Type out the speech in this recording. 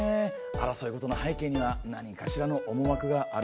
争いごとの背景にはなにかしらの思惑があるはずですからね。